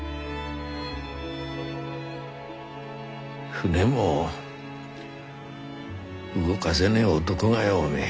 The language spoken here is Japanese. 船も動がせねえ男がよおめえ。